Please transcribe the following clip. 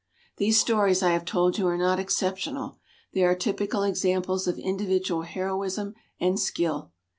These stories I have told you are not exceptional. They are typical examples of individual heroism and skill.